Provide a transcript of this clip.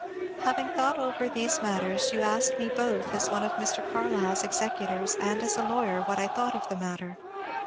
Having thought [over] these matters you asked me both as one of Mr. Carlyle's executors and as a lawyer, what I thought of the matter.